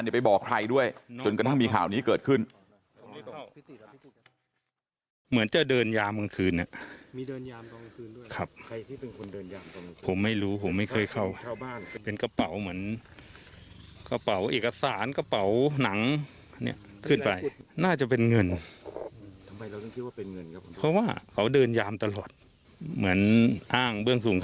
ไปบอกใครด้วยจนกระทั่งมีข่าวนี้เกิดขึ้น